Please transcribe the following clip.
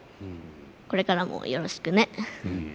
これからもよろしくね。